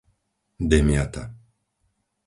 Demjata